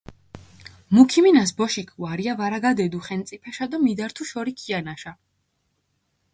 მუ ქიმინას ბოშიქ, ვარია ვარაგადედუ ხენწიფეშა დო მიდართუ შორი ქიანაშა.